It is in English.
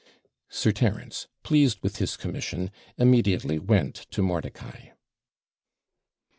Sir Terence, pleased with his commission, immediately went to Mordicai.